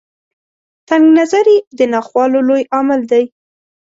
تنګ نظري د ناخوالو لوی لامل دی.